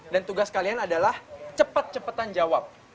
dan tugas kalian adalah cepet cepetan jawab